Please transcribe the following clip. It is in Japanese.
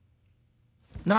「何！？